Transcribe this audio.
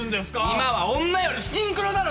今は女よりシンクロだろ！